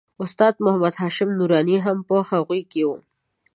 استاد محمد هاشم نوراني هم په هغوی کې و.